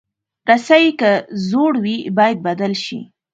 رسۍ که زوړ وي، باید بدل شي.